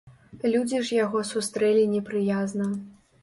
Людзі ж яго сустрэлі непрыязна.